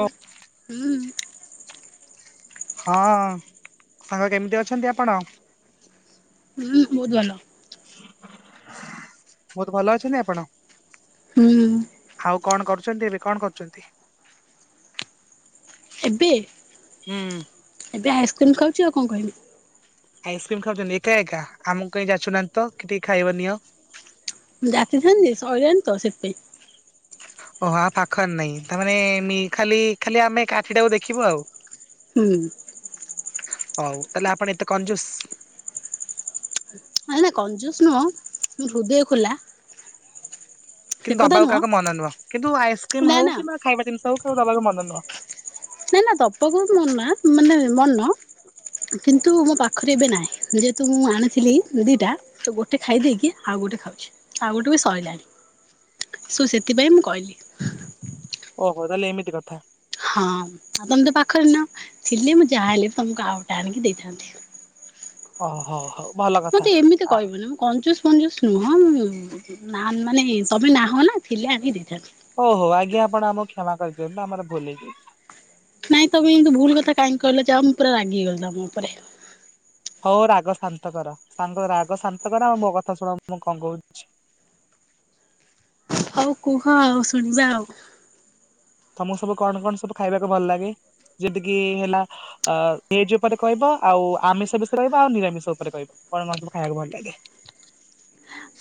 ଓ ହୁଁ। ହଁ ସାଙ୍ଗ କେମିତି ଅଛନ୍ତି ଆପଣ? ହୁଁ ବହୁତ ଭଲ। ବହୁତ ଭଲ ଅଛନ୍ତି ଆପଣ? ହୁଁ। ଆଉ କଣ କରୁଛନ୍ତି ଏବେ କଣ କରୁଚନ୍ତି? ଏବେ? ହୁଁ। ଏବେ ଆଇସ୍କ୍ରିମ୍ ଖାଉଚି ଆଉ କଣ କରିବି। ଆଇସ୍କ୍ରିମ ଖାଉଚନ୍ତି ଏକା ଏକା। ଆମକୁ କାହିଁ ଯାଚୁ ନାହାନ୍ତି ତ କି ଟିକେ ଖାଇବ ନିଅ। ଜାଚିଥାନ୍ତି ଶଇଲାଣି ତ ସେଥିପାଇଁ। ଓହ ଆଉ ପାଖରେ ନାଇଁ। ତାମାନେେ ଖାଲି ଖାଲି ଆମେ କାଠି ଟାକୁ ଦେଖିବୁ ଆଉ। ହୁଁ। ହଉ ତାହେଲେ ଆପଣ ଏତେ କନଜୁସ୍? ନାଇ ନା କଞ୍ଜୁସ ନୁହଁ। ମୁ ହୃଦୟ ଖୋଲା। ସେ କିନ୍ତୁ କଥା ଦବାକୁ ନୁହଁ କାହାକୁ ମନ ନୁହଁ। କିନ୍ତୁ ଆଇସ୍କ୍ରିମ ନା ହଉ ନା କିମ୍ବା ଖାଇବା ଜିନିଷ ହଉ କାହାକୁ ଦବାକୁ ମନ ନୁହଁ। ନାଇଁ ନା ଦବାକୁ ବି ମନା ମାନେ ମନ। କିନ୍ତୁ ମୋ ପାଖରେ ଏବେ ନାହିଁ। ଯେହେତୁ ମୁଁ ଆଣିଥିଲି ଦିଟା ତ ଗୋଟେ ଖାଇଦେଇକି ଆଉ ଗୋଟେ ଖାଉଚି। ଆଉ ଗୋଟେ ବି ସଇଲାଣି। ସୁ ସେଥିପାଇଁ ମୁଁ କହିଲି। ଓହୋ ତାହେଲେ ଏମିତି କଥା। ହଁ ଆଉ ତମେ ତ ପାଖରେ ନାହ। ସେଥିଲାଗି ମୁଁ ଯାହା ହେଲେ ବି ତମକୁ ଆଉଗୋଟା ଆଣିକି ଦେଇଥାନ୍ତି। ଓହୋ ହଉ। ଭଲ କଥା। ମତେ ଏମିତି ଆ କହିବନି। ମୁ କଞ୍ଚୁସ ଫଞ୍ଚୁସ ନୁହଁ। ନାହ ମାନେ ତମେ ନାହ ନା ଥିଲେ ଆଣିକି ଦେଇଥାନ୍ତି। ହଉ ହଉ ଆଜ୍ଞା ଆପଣ ଆମକୁ କ୍ଷମା କରିଦିଅନ୍ତୁ। ଆମର ଭୁଲ ହେଇ ଯାଇଚି। ନାଇଁ ତମେ ଏମିତି ଭୁଲ କଥା କାହିକି କହିଲ, ଯାଅ ମୁଁ ପୁରା ରାଗିଗଲି ତମ ଉପରେ। ହଉ ରାଗ ଶାନ୍ତ କର। ସାଙ୍ଗ ରାଗ ଶାନ୍ତ କର ଆଉ ମୋ କଥା ଶୁଣ ମୁଁ କଣ କହୁଚି। ହଉ କୁହ ଆଉ ଶୁଣିବା ଆଉ। ତମକୁ ସବୁ କଣ କଣ ସବୁ ଖାଇବାକୁ ଭଲ ଲାଗେ? ଯେମିତିକି ହେଲା ଅ ଭେଜ ଉପରେ କହିବ ଆଉ ଆମିଷ ବିଷୟରେ କହିବ ଆଉ ନିରାମିଷ ଉପରେ କହିବ କଣ ମ ସବୁ ଖାଇବାକୁ ଭଲ ଲାଗେ?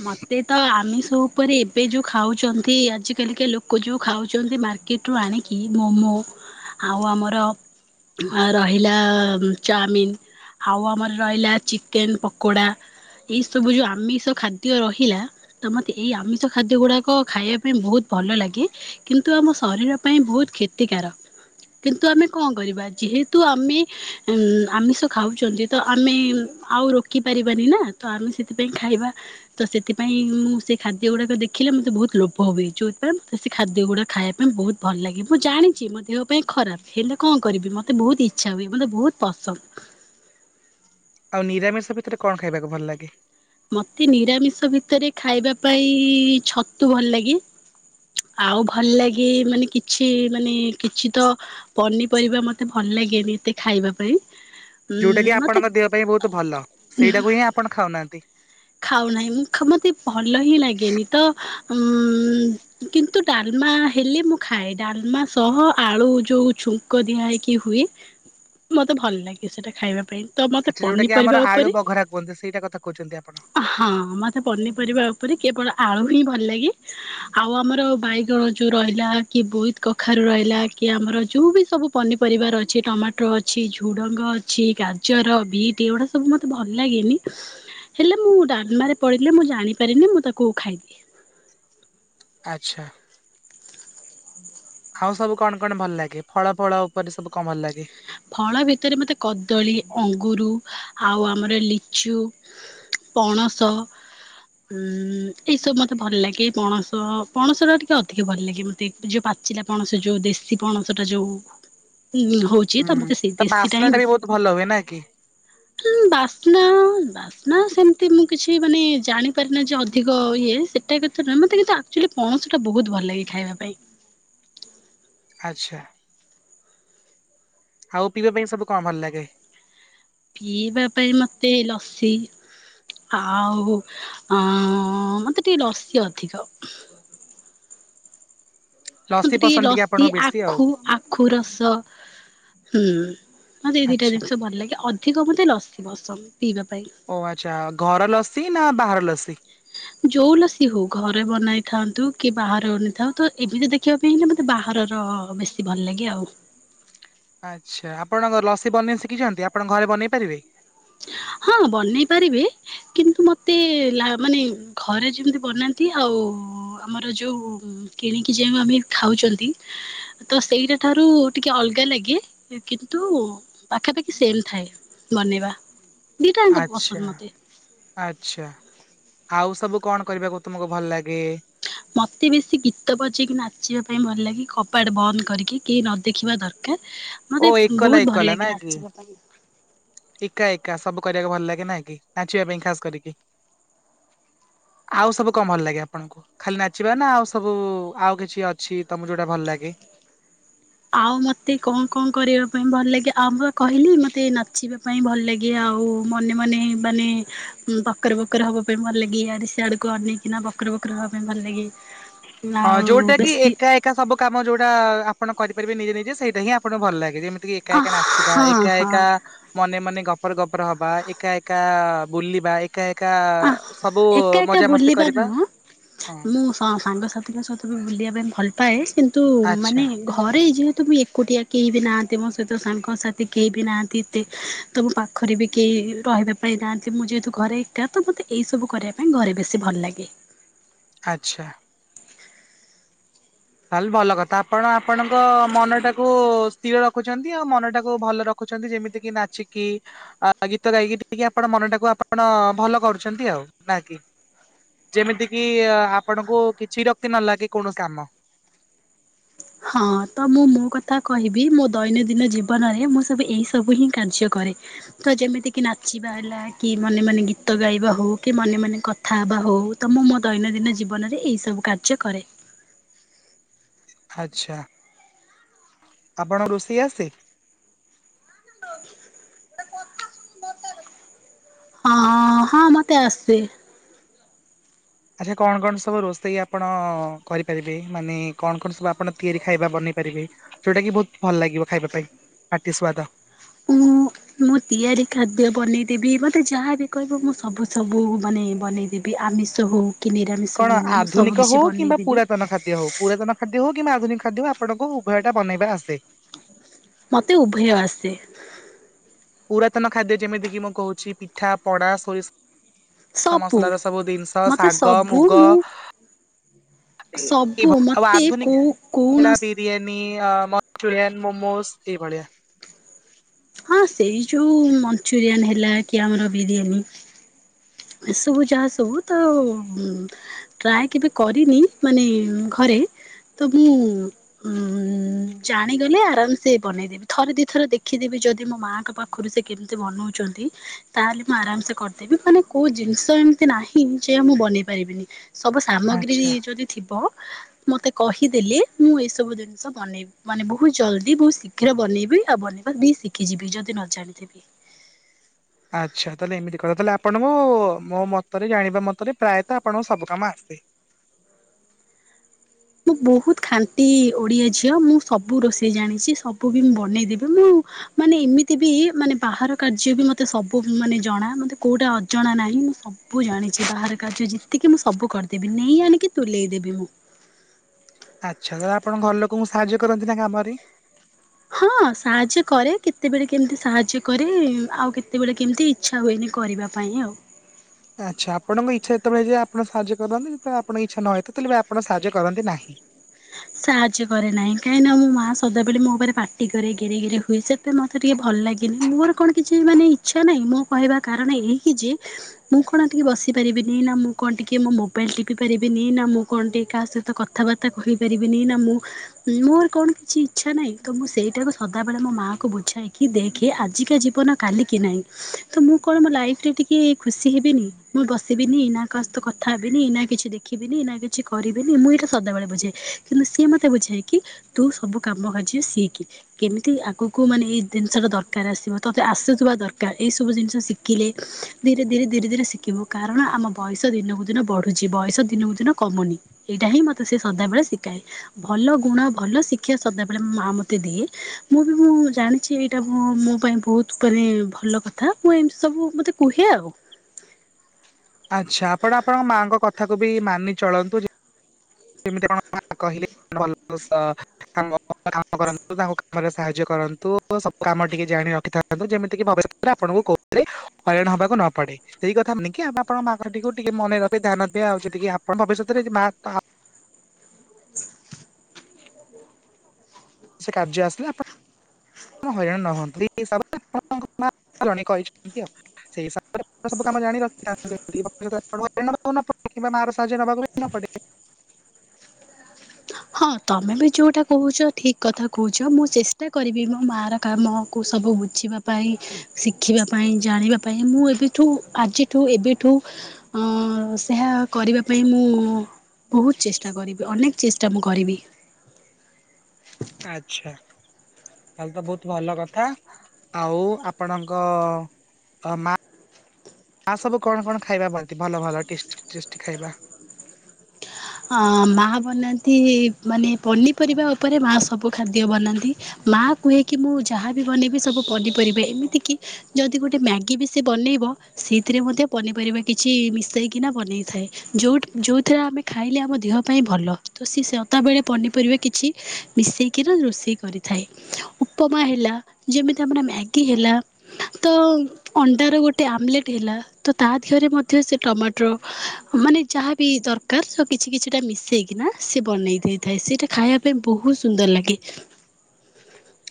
ମତେ ତ ଆମିସ ଉପରେ ଏବେ ଯୋଉ ଖାଉଚନ୍ତି ଆଜ କାଲିକା ଲୋକ କ ଯଉ ଖାଉଚନ୍ତି ମାର୍କେଟୁ ଆଣିକି ମୋମୋ ଆଉ ଆମର ଆ ରହିଲା ଚାଉମିିନ। ଆଉ ଆମର ରହିଲା ଚିକେନ ପକୋଡା ଏଇ ସବୁ ଯୋଉ ଆମିଷ ଖାଦ୍ ଦ୍ୟ ରହିଲା ତ ମତେ ଏଇ ଆମିଷ ଖାଦ୍ୟ ଗୁଡାକ ଖାଇବା ପାଇଁ ବହୁତ ଭଲ ଲାଗେ। କିନ୍ତୁ ଆମ ଶରୀର ପାଇଁ ବହୁତ କ୍ଷତିକାରକ। କିନ୍ତୁ ଆମେ କଣ କରିବା ଯେହେତୁ ଆମେ ଉଁ ଆମିଷ ଖାଉଛନ୍ତି। ତଆମେ ଆଉ ରୋକି ପାରିବାନିନା ତଆମେ ସେଥିପାଇଁ ଖାଇବା। ତସେଥିପାଇଁ ମୁଁ ସେଖାଦ୍ୟ ଗୁଡ଼ାକ ଦେଖିଲେ ମତେ ବହୁତ୍ ଲୋଭ ହୁଏ ଯୋଉଥିପାଇଁ ସେଖାଦ୍ୟ ଗୁଡ଼ା ଖାଇବା ପାଇଁ ବହୁତ୍ ଭଲ ଲାଗେ ମୁଁ ଜାଣିଚି ମୋଦେହ ପାଇଁ ଖରାପ୍ ହେଲେ କଣ କରିବି ମତେ ବହୁତ୍ ଇଚ୍ଛା ହୁଏ ମତେ ବହୁତ୍ ପସନ୍ଦ। ଆଉ ନିରାମିଷ ଭିତରେ କଣ ଖାଇବାକୁ ଭଲ ଲାଗେ? ମତେ ନିରାମିଷ ଭିତରେ ଖାଇବା ପାଇଁ ଛତୁ ଭଲ ଲାଗେ। ଆଉ ଭଲ ଲାଗେ ମାନେ କିଛି ମାନେ କିଛି ତ ପନିପରିବା ମତେ ଭଲ ଲାଗେନି ଏତେ ଖାଇବା ପାଇଁ। ଉଁ ଯୋଉଟାକି ମତେ ଆପଣଙ୍କ ଦେହ ପାଇଁ ବହୁତ୍ ଭଲ ସେଇଟାକୁହିଁ ଆପଣ ଖାଉନାହାନ୍ତି। ଖାଉ ନାହିଁ ମୁଁ ମତେ ଭଲହିଁ ଲାଗେନି ତ ଉ କିନ୍ତୁ ଡ଼ାଲମା ହେଲେ ମୁଖାଏ ଡ଼ାଲମା ସହ ଆଳୁ ଯଉ ଛୁ ଛୁଙ୍କ ଦିଆ ହେଇକି ହୁଏ ମତେ ଭଲ ଲାଗେ ସେଟା ଖାଇବା ପାଇଁ। ତ ମତେ ଆଚ୍ଛା ଯଉଟାକି ପନିପରିବା ଆମର ଉପରେ ଆଳୁ ବଘରା କୁହନ୍ତି ସେଇଟା କଥା କହୁଛନ୍ତି ଆପଣ। ହଁ ମତେ ପନିପରିବା ଉପରେ କେବଳ ଆଳୁହିଁ ଭଲ ଲାଗେ। ଆଉ ଆମର ବାଇଗଣ ଯୋଉ ରହିଲା କିବୋଇତ୍ କଖାରୁ ରହିଲା କିଆମର ଯୋଉବି ସବୁ ପନିପରିବାର ଅଛି ଟମାଟୋ ଅଛି ଝୁଡ଼ଙ୍ଗ ଅଛି ଗାଜର ବିଟ୍ ଏଗୁଡ଼ା ସବୁ ଏସବୁ ମୋତେ ଭଲ ଲାଗେନି ହେଲେ ମୁଁ ଡ଼ାଲମାରେ ପଡ଼ିଲେ ମୁଁ ଜାଣିପାରେନି ମୁତାକୁ ଖାଇଦିଏ। ଆଚ୍ଛା। ଆଉ ସବୁ କଣ କଣ ଭଲ ଲାଗେ ଫଳ ଫଳ ଉପରେ ସବୁ କଣ ଭଲ ଲାଗେ? ଫଳ ଭିତରେ ମତେ କଦଳୀ ଅଙ୍ଗୁର ଆଉ ଆମର ଲିଚୁ ପଣସ ଉଁ ଏଇସବୁ ମତେ ଭଲ ଲାଗେ ପଣସ ପଣସଟା ଟିକେ ଅଧିକ ଭଲ ଲାଗେ ମ ଯୋଉ ପାଚିଲା ପଣସ ଯୋଉ ଦେଶୀ ପଣସଟା ଯୋଉ ଉ ହଉ ହୁଁ ତାବାସ୍ନାଟାବି ବହୁତ୍ ଭଲ ହୁଏନାକି। ହୁଁ ବାସ୍ନା ବାସ୍ନା ସେମିତି ମୁକିଛି ମାନେ ଜାଣିପାରେନାଯେ ଅଧିକ ଇଏ ସେଟା କଥା ନୁହ ମତେ କିନ୍ତୁ ଆ ଆକ୍ଚୁଆଲି ପଣସଟା ବହୁତ୍ ଭଲ ଲାଗେ ଖାଇବା ପାଇଁ। ଆଚ୍ଛା। ଆଉ ପିଇବା ପାଇଁ ସବୁ କଣ ଭଲ ଲାଗେ? ପିଇବା ପାଇଁ ମତେ ଲସି ଆଉ ଅଁ ମତେ ଟିକେ ଲଶୀ ଅଧିକ। ଲସି ମତ ଟିକେ ପସନ୍ଦ ଲସି ଆପଣଙ୍କ ବେଶୀ ଆଉ ଆଖୁ ଆଖୁ ରସ। ହୁଁ ମତେ ଏଇ ଦିଟା ଆଚ୍ଛା ଜିନିଷ ଭଲ ଲାଗେ ଅଧିକ ମତେ ଲସି ପସନ୍ଦ ପିଇବା ପାଇଁ। ଓ ଆଚ୍ଛା ଘର ଲସିନା ବାହାର ଲସି? ଯୋଉ ଲସି ହଉ ଘରେ ବନେଇଥାନ୍ତୁକି ବାହାରେ ବନେଇଥାଉତ ଏମିତି ଦେଖିବାକୁ ଲେ ମତେ ବାହାରର ବେଶୀ ଭଲ ଲାଗେ ଆଉ। ଆଚ୍ଛା ଆପଣଙ୍କ ଲସି ବନେଇ ଶିଖିଛନ୍ତି ଆପଣ ଘରେ ବନେଇ ପାରିବେ? ହଁ ବନେଇ ପାରିବି। କିନ୍ତୁ ମତେ ଲା ମାନେ ଘରେ ଯେମିତି ବନାନ୍ତି ଆଉ ଆମର ଯୋଉ କିଣିକି ଯାଉ ଆମେ ଖାଉଚନ୍ତି। ତ ସେଇଟା ଠାରୁ ଟିକେ ଅଲଗା ଲାଗେ କିନ୍ତୁ ପାଖାପାଖି ସେମ ଥାଏ। ବନେଇବା। ଦିଟା ଆଙ୍କ ପସନ୍ଦ ଆଚ୍ଛା। ମତେ। ଆଛା ଆଉ ସବୁ କଣ କରିବାକୁ ତୁମକୁ ଭଲ ଲାଗେ? ମତେ ବେଶୀ ଗୀତ ବଜେଇକି ନାଚିବା ପାଇଁ ଭଲ ଲାଗେ କବାଡ ବନ୍ଦ କରିକି କେହିନ ଦେଖିବା ଦରକାର୍ ଓ ମତେ ଏକଲା ବହୁତ୍ ଭଲ ଏକଲା ନା ଲାଗେ କି ନାଚିବା ପାଇଁ। ଏକା ଏକା ସବୁ କରିବାକୁ ଭଲ ଲାଗେନାକି ନାଚିବା ପାଇଁ ଖାସ୍ କରିକି। ଆଉ ସବୁ କମ ଭଲ ଲାଗେ ଆପଣଙ୍କୁ? ଖାଲି ନାଚିବାନା ଆଉ ସବୁ ଆଉ କିଛି ଅଛି ତମକୁ ଯୋଉଟା ଭଲ ଲାଗେ? ଆଉ ମତେ କଣ କଣ କରିବା ପାଇଁ ଭଲ ଲାଗେ ଆଉ ମୁଁ କହିଲି ମତେ ନାଚିବା ପାଇଁ ଭଲ ଲାଗେ। କି ଆଉ ମନେ ମନେ ମାନେ। ହୁଁ ବକର ବକର ହବା ପାଇଁ ଭଲ ଲାଗେ ଇଆଡ଼େ ସିଆଡକୁ ଅନେଇକିନା ବକର ବକର ହବା ପାଇଁ ଭଲ ଲାଗେ। ହଁ ଆଉ ଯୋଉଟା କି ବେଶୀ ଏକା ଏକା ସବୁ କାମ ଯୋଉଟା ଆପଣ କରିପାରିବେ ନିଜେ ନିଜେ ସେଇଟା ହିଁ ଆପଣଙ୍କୁ ଭଲ ଲାଗେ ଯେମିତି। କି ଏକା ଏକା ନାଚିବା ହଁ ଏକା ଏକା। ହଁ ମନେ ମନେ ଗପର ଗପର ହବା ଏକା ଏକା ବୁଲିବା। ଏକା ଏକା ସବୁ ଏକା ଏକା ମଜାମସ୍ତି ବୁଲିବା କରିବା ନୁହଁ ହୁଁ। ମୁଁ ସ ସାଙ୍ଗ ସାଥିଙ୍କ ସହିତ ବି ବୁଲିବା ପାଇଁ ଭଲ ପାଏ କିନ୍ତୁ ଆଚ୍ଛା ମାନେ। ଘରେ ଯେହେତୁ ମୁଁ ଏକୁଟିଆ କେହି ବି ନାହାନ୍ତି ମୋ ସହିତ ସାଙ୍ଗ ସାଥି କେହି ବି ନାହାନ୍ତି ଏତେ। ତ ମୋ ପାଖରେ ବି କେହି ରହିବା ପାଇଁ ନାହାନ୍ତି ମୁଁ ଯେହେତୁ ଘରେ। ଏକା ତ ମୋତେ ଏଇ ସବୁ କରିବା ପାଇଁ ଘରେ ବେଶୀ ଭଲ ଲାଗେ। ଆଚ୍ଛା। ତାହେଲେ ଭଲ କଥା ଆପଣ ଆପଣଙ୍କ ମନଟାକୁ ସ୍ଥିର ରଖୁଛନ୍ତି ଆଉ ମନଟାକୁ ଭଲ ରଖ ରଖୁଛନ୍ତି ଯେମିତି କିି ନାଚିକି। ଆ ଗୀତ ଗାଇକି ଟିକେ ଆପଣ ମନଟାକୁ ଆପଣ ଭଲ କରୁଛନ୍ତି ଆଉ ନା କି। ଯେମିତି କିି ଆପଣଙ୍କୁ କିଛି ବିରକ୍ତି ନ ଲାଗେ କୋଉଣି କାମ। ହଁ ତ ମୁଁ ମୋ କଥା କହିବି ମୋ ଦୈନନ୍ଦିନ ଜୀବନରେ ମୁଁ ସବୁ ଏଇ ସବୁ ହିଁ କାର୍ଯ୍ୟ କରେ। ତ ଯେମିତି କି ନାଚିବା ହେଲା କି ମନେ ମନେ ଗୀତ ଗାଇବା ହଉ କି ମନେ ମନେ କଥ୍। କଥା ହବା ହଉ ତ ମୁଁ ମୋ ଦୈନନ୍ଦିନ ଜୀବନରେ ଏଇ ସବୁ କାର୍ଯ୍ୟ କରେ। ଆଛା ଆପଣ ରୋଷେଇ ଆସେ। ହଁ ହଁ ମତେ ଆସେ। ଆଚ୍ଛା କଣ କଣ ସବୁ ରୋଷେଇ ଆପଣ କରିପାରିବେ, ମାନେ କଣ କଣ ସବୁ ଆପଣ ତିଆରି ଖାଇବା ବନେଇ ପାରିବେ? ଯୋଉଟା କି ବହୁତ ଭଲ ଲାଗିବ ଖାଇବା ପାଇଁ ପାଟି ସୁଆଦ। ଉଁ। ମୁଁ ତିଆରି ଖାଦ୍ୟ ବନେଇ ଦେବି ମତେ ଯାହାବି କହିବ ମୁଁ ସବୁ ସବୁ ମାନେ ବନେଇ ଦେବି। ବି ଆମିଷ ହଉ। କି ନିରାମିଷ କଣ ହଉ ମୁଁ ସବୁ ଆଧୁନିକ କିଛି ହଉ କିମ୍ବା ବନେଇଦେବି ପୁରାତନ ଖାଦ୍ୟ ହଉ। ପୁରାତନ ଖାଦ୍ୟ ହଉ କିମ୍ବା ଆଧୁନିକ ଖାଦ୍ୟ ହଉ ଆପଣଙ୍କୁ ଉଭୟଟା ବନେଇବା ଆସେ। ମୋତେ ଉଭୟ ଆସେ। ପୁରାତନ ଖାଦ୍ୟ ଯେମିତି କି ମୁଁ କହୁଛି ପିଠା, ପଣା, ସୋରିଷ। ଷ ସବୁ ମସଲାର ସବୁ ଦିନିଷ ମତେ ଶାଗ ସବୁ ମୁଗ। ମୁଁ ସବୁ ଆଉ ମତେ ଆଧୁନିକ କୋଉ ହେଲା କୌଣସି। ବିରିୟାନୀ ଆଁ ମଂଚୁରିଆନ ମୋମୋଜ ଏଇ ଭଳିଆ। ହଁ ସେଇ ଯୋଉ ମଞ୍ଚୁରିଆନ ହେଲା କି ଆମର ବିରିୟାନୀ। ଏସବୁ ଯାହା ସବୁ ତ ଉଁ। ଟ୍ରାଏ କେବେ କରିନି ମାନେ ଘରେ ତ ମୁଁ। ଉଁ ଜାଣିଗଲେ ଆରାମ ସେ ବନେଇ ଦେବି ଥରେ ଦିଥର ଦେଖି ଦେବି ଯଦି ମୋ ମାଙ୍କ ପାଖ ଖରୁ ସେ କେମିତି ବନଉଛନ୍ତି ତାହେଲେ ମୁଁ ଆରାମ ସେ କରିଦେବି ମାନେ। କୋଉ ଜିନିଷ ଏମିତି ନାହିଁ ଯେ ମୁଁ ବନେଇ ପାରିବିନି ସବୁ ସାମଗ୍ରୀ ଆଚ୍ଛା। ଯଦି ଥିବ। ମତେ କହିଦେଲେ ମୁଁ ଏଇ ସବୁ ଜିନିଷ ବନେଇବି। ମାନେ ବହୁତ ଜଲ୍ଦି ବହୁତ ଶୀଘ୍ର ବନେଇବି ଆଉ ବନେଇବା ବି ଶିଖିଯିବି ଯଦି ନ ଜାଣିଥିବି। ଆଚ୍ଛା ତାହେଲେ ଏମିତି କଥା ତାହେଲେ ଆପଣଙ୍କୁ ମୋ ମତରେ ଜାଣିବା ମତରେ ପ୍ରାୟତଃ ଆପଣଙ୍କୁ ସବୁ କାମ ଆସେ। ମୁଁ ବହୁତ ଖାଣ୍ଟି ଓଡ଼ିଆ ଝିଅ, ମୁଁ ସବୁ ରୋଷେଇ ଜାଣିଛି ସବୁ ବି ମୁଁ ବନେଇ ଦେବି ମୁଁ। ମାନେ ଏମିତି ବି ମାନେ ବାହାର କାର୍ଯ୍ୟ ବି ମତେ ସବୁ ମାନେ ଜଣା ମତେ କୋଉଟା ଅଜଣା ନାହିଁ ମୁଁ ସବୁ। ସବୁ ଜାଣିଛି ବାହାର କାର୍ଯ୍ୟ ଯେତିକି ମୁଁ ସବୁ କରିଦେବି ନେଇ ଆଣିକି ତୁଲେଇଦେବି ମୁଁ। ଆଚ୍ଛା ତ ଆପଣ ଘର ଲୋକଙ୍କୁ ସାହାଯ୍ୟ କରନ୍ତି ନା କାମରେ। ହଁ ସାହାଯ୍ୟ କରେ କେତେବେଳେ କେମିତି ସାହାଯ୍ୟ କରେ ଆଉ କେତେବେଳେ କେମତି ଇ ଇଛା ହୁଏନି କରିବା ପାଇଁ ଆଉ। ଆଚ୍ଛା ଆପଣଙ୍କ ଇଚ୍ଛା ଯେତେ ବେଳେ ହୁଏ ଆପଣ ସାହାଯ୍ୟ କରନ୍ତି ଯେତେ ବେଳେ ଆପଣଙ୍କ ଇଛା ନ ହେଇ ଥାଏ ତ ତାହେଲେ ଆପଣ ସାହାଯ୍ୟ କରନ୍ତି ନାହିଁ। ସାହାଯ୍ୟ କରେ ନାହିଁ କାହିଁକି ନା ମୋ ମା ସଦାବେଲେ ମୋ ଉପରେ ପାଟି କରି ଗେରେ ଗେରେ ହୁଏ ସେ। ଥି ପାଇଁ ମୋତେ ଟିକେ ଭଲ ଲାଗନି ମୋର କଣ କିଛି ମାନେ ଇଚ୍ଛା ନାହିଁ ମୁଁ କହିବା କାରଣ ଏହିକି ଯେ। ମୁଁ କଣ ଆ, ଟିକେ ବସି ପାରିବିନି, ନା ମୁଁ କଣ ଟିକେ ମୋ ମୋବାଇଲ୍ ଟିପି ପାରିବିନି, ନା ମୁଁ କଣ ଟିକେ କାହା ସହିତ କ କଥାବାର୍ତ୍ତା କହିପାରିବିନି, ନା ମୁଁ ମୋର କଣ କିଛି ଇଚ୍ଛା ନାହିଁ ତ ମୁଁ ସେଇଟାକୁ ସଦାବେେଳେ ମୋ ମା କୁ ବୁଝାଏ କି ଦେଖେ ଆଜିକା ଜୀବନ କାଲିକି ନାହିଁ। ତ ମୁଁ କଣ ମୋ ଲାଇଫ୍ ରେ ଟିକେ ଖୁସି ହେବିନି, ମୁଁ ବସିବିନି, ନା କା ସହିତ କଥା ହେବିନି ନା କିଛି ଦେ ଖିବିନି ନା, କିଛି କରିବିନି ମୁଁ ଏଇଟା ସଦାବେଳେ ବୁଝେ। କିନ୍ତୁ ସିଏ ମୋତେ ବୁଝାଏ କି ତୁ ସବୁ କାମ ଆଜି ଶିକି। କେମିତି ଆଗକୁ ମାନେ ଏଇ ଦିନିଷ ଟା ଦରକାର ଆସିବ ତତେ ଆସୁଥୁବା ଦରକାର ଏଇ ସବୁ ଜିନିଷ ଶି କିଲେ ଧୀରେ ଧୀରେ ଧୀରେ ଧୀରେ ଶିଖିବୁ, କାରଣ ଆମ ବୟସ ଦିନକୁ ଦିନ ବଢୁଛି, ବୟସ ଦିନକୁ ଦିନ କମୁନି ଏଇଟା ହିଁ ମୋତେ ସେ ସଦାବେଳେ ଶିକାଏ, ଭଲ ଗୁଣ, ଭଲ ଶିକ୍ଷା ସଦାବେଳେ ମୋ ମୋତେ ଦିଏ। ମୁଁ ବି ମୁଁ ଜାଣିଛି ଏଇଟା ମୋ ପାଇଁ ବହୁତ ମାନେ ଭଲ କଥା, ମୁଁ ଏମିତି ସବୁ ମୋତେ କୁହେ ଆଉ। ଆଚ୍ଛା ଆପଣ ଆପଣଙ୍କ ମାଆଙ୍କ କଥା କୁ ବି ମାନି ଚଳନ୍ତୁ [unintelligible] ଯେମିତି ଆପଣ କହିଲେ ଭଲ [inaudible] ତାଙ୍କ କାମ କରନ୍ତୁ, ତାଙ୍କୁ କାମରେ ସାହାଯ୍ୟ କରନ୍ତୁ। ସବୁ କାମ ଟିକେ ଜାଣି ରଖିଥା କରନ୍ତୁ ଯେମିତି କିି ଭବିଷ୍ୟତରେ ଆପଣଙ୍କୁ କୋଉ ଥିରେ ହଇରାଣ ହବାକୁ ନ ପଡେ। ସେଇ କଥା [inaudible] ନେଇକି ଆପଣଙ୍କ ମା କଥାଟିକୁ ଟିକେ ମନେ ରଖିବେ, ଧ୍ୟାନ ଦିଅ ଆଉ ଯୋ ଟିକେ ଆପଣ ଭବିଷତରେ ଯେ ମା [inaudible] ଆ ସେ କାର୍ଯ୍ୟ ଆସିଲେ ଆପ ଣ ହଇରାଣ ନ ହୁଅନ୍ତୁ ଏଇ ହିସାବରେ ଆପଣଙ୍କ ମା ଜଣେଇ କହିଛନ୍ତି ଆଉ। ସେଇ ହିସାବରେ ସବୁ କାମ ଜାଣି ରଖିଥାଆନ୍ତୁ, [inaudible] ନପଡୁ କିମ୍ବା ମାର ସାହାଯ୍ୟ ନବାକୁ ବି ନ ପଡେ। ହଁ ତୋମେ ବି ଯୋଉଟା କହୁଛ ଠିକ କଥା କହୁଛ, ମୁଁ ଚେଷ୍ଟା କରିବି ମୋ ମା ର କାମକୁ ସବୁ ବୁଝିବା ପାଇଁ ଶିଖିବା ପାଇଁ, ଜାଣିବା ପାଇଁ ମୁଁ ଏବେଠୁ ଆଜିଠୁ ଏବେଠୁ ଅ, ସେହା କରିବା ପାଇଁ ମୁଁ ବହୁତ ଚେଷ୍ଟା କରିବି, ଅନେକ ଚେଷ୍ ଟା ମୁଁ କରିବି। ଆଚ୍, ଛା ତାହଲେ ତ ବହୁତ ଭଲ କଥା। ଆଉ ଆପଣଙ୍କ ଅ, ମା ମା ସବୁ କଣ କଣ ଖାଇବା ବନ୍ତି ଭଲ ଭଲ ଟେଷ୍ଟି ଟେଷ୍ଟି ଖାଇବା? ହଁ ମା ବନାନ୍ତି ମାନେ ପନିପରିବା ଉପରେ ମା ସବୁ ଖାଦ୍ୟ ବନାନ୍ତି ମା କୁହେ କି ମୁଁ ଯାହାବି ବନେଇବି ସବୁ ପନିପରିବା, ଏମିତି କି ଯଦି ଗୋଟେ ମ୍ୟାଗି ବି ସେ ବନେଇବ ସେଇଥିରେ ମଧ୍ୟ ପନିପରିବା କିଛି ମିଶେଇ କିନା ବନେଇଥାଏ। ଯୋଉଟା ଯୋଉଥିରେ ଆମେ ଖାଇଲେ ଆମ ଦେହ ପାଇଁ ଭଲ। ତ ସି ସେତାବେଳେ ପନିପରିବା କିଛି ମିଶେଇକିରି ରୋଷେଇ କରିଥାଏ। ଉପମା ହେଲା ଯେମିତି ଆମର ମ୍ୟାଗି ହେଲା ତ ଅଣ୍ଡାର ଗୋଟେ ଆମଲେଟ୍ ହେଲା ତ ତା ଦେହରେ ମଧ୍ୟ ସେ ଟମାଟୋ ମାନେ ଯାହା ବିି ଦର କାର ସ କିଛି କିଛିଟା ମିଶେଇକିନା ସେ ବନେଇ ଦେଇଥାଏ। ସେଇଟା ଖାଇବା ପାଇଁ ବହୁତ ସୁନ୍ଦର ଲାଗେ।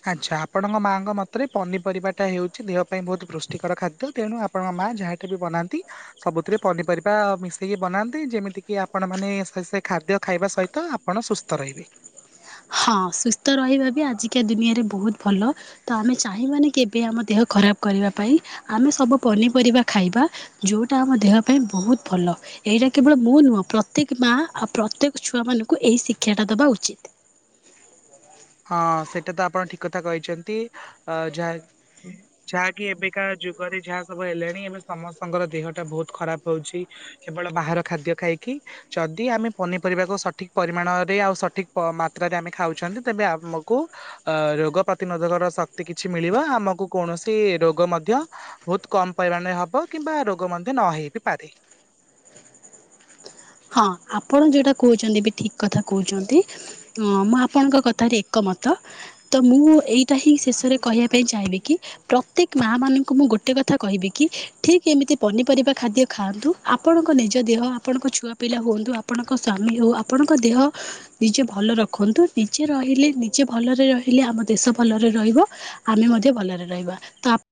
ଆଚ୍ଛା, ଆପଣଙ୍କ ମାଆଙ୍କ ମତରେ ପନିପରିବାଟା ହେଉଛି ଦେହ ପାଇଁ ବହୁତ ପୃଷ୍ଟିକର ଖାଦ୍ୟ। ତେଣୁ ଆ ଆପଣଙ୍କ ମା ଯାହା କେବେ ବନାନ୍ତି ସବୁଥିରେ ପନିପରିବା ମିଶେଇକି ବନାନ୍ତି ଯେମିତି କିି ଆପଣ ମାନେ ସେ ସେ ଖାଦ୍ୟ ଖାଇବା ସହିତ ଆପଣ ସୁସ୍ ତ ରହିବେ। ହଁ ସୁସ୍ଥ ରହିବା ବି ଆଜିକା ଦୁନିଆରେ ବହୁତ ଭଲ। ତ ଆମେ ଚାହିଁବାନି କେବେ ଆମ ଦେହ ଖରାପ କରିବା ପାଇଁ। ଆମେ ସବୁ ପନିପରିବା ଖାଇବା। ଯୋଉଟା ଆମ ଦେହ ପାଇଁ ବହୁତ ଭଲ। ଏଇଟା କେବଳ ମୁଁ ନୁହଁ ପ୍ରତ୍ୟେକ ମା ଆଉ ପ୍ରତ୍ୟେକ ଛୁଆ ମାନଙ୍କୁ ଏଇ ଶିକ୍ଷା ଟା ଦବା ଉଚିତ୍। ଲ ହଁ ସେଇଟା ତ ଆପଣ ଠିକ କଥା କହିଛନ୍ତି, ଅ, ଯାହା ଏ ଯାକି ଏବେକା ଯୁଗରେ ଯାହା ସବୁ ହେଲେଣି ଏବେ ସମସ୍ତଙ୍କର ଦେହ ଟା ବହୁତ ଖରାପ ରଉଛି। କେବଳ ବାହାର ଖାଦ୍ୟ ଖାଇକି ଯଦି ଆମେ ପନିପରିବାକୁ ସଠିକ୍ ପରିମାଣରେ ଆଉ ସଠିକ୍ ମାତ୍ରାରେ ଆମେ ଖାଉଛନ୍ତି। ତେବେ ଆମକୁ ଅ ରୋଗ ପ୍ରତିନୋଧକ ର ଶକ୍ତି କିଛି ମିଳିବ। ଆମକୁ କୌଣସି ରୋଗ ମଧ୍ୟ ବହୁତ କମ୍ ପରିମାଣରେ ହବ କିମ୍ବା ରୋଗ ମଧ୍ୟ ନ ହେଇ ବିି ପାରେ। ହଁ, ଆପଣ ଯୋଉଟା କହୁଛନ୍ତି ବି ଠିକ୍ କଥା କହୁଛନ୍ତି। ହଁ, ମୁଁ ଆପଣଙ୍କ କଥାରେ ଏକମତ। ତ ମୁଁ, ଏଇଟା ହିଁ ଶେଷରେ କହିବା ପାଇଁ ଚାହିଁବି କି ପ୍ରତ୍ୟେକ ମାଆ ମାନଙ୍କୁ ମୁଁ ଗୋଟେ କଥା କହିବି କି, ଠିକ୍ ଏମିତି ପନିପରିବା ଖାଦ୍ୟ ଖାଆନ୍ତୁ। ଆପଣଙ୍କ ନିଜ ଦେହ, ଆପଣଙ୍କ ଛୁଆ ପିଲା ହୁଅନ୍ତୁ, ଆପଣଙ୍କ ସ୍ଵାମୀ ହଉ, ଆପଣଙ୍କ ଦେହ ନିଜେ ଭଲ ରଖନ୍ତୁ, ନିଜେ ରହିଲେ, ନିଜେ ଭଲରେ ରହିଲେ, ଆମ ଦେଶ ଭଲରେ ରହିବ। ଆମେ ମଧ୍ୟ ଭଲରେ ରହିବା। ତ ଆପ୍